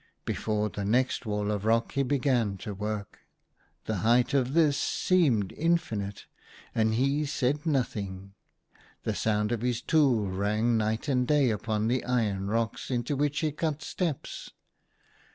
Before the next wall of rock he began to work. The height of this seemed infinite, and he said nothing. The sound of his tool rang night and day upon the iron rocks into which he cut steps.